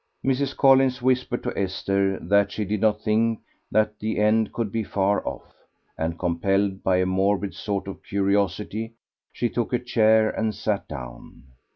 Mrs. Collins whispered to Esther that she did not think that the end could be far off, and compelled by a morbid sort of curiosity she took a chair and sat down.